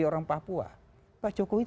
orang papua pak jokowi